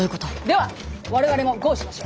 では我々もＧＯしましょう。